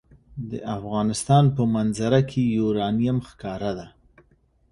د افغانستان په منظره کې یورانیم ښکاره ده.